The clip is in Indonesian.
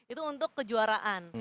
itu untuk kejuaraan